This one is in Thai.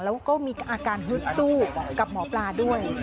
แล้วก็มีอาการฮึดสู้กับหมอปลาด้วย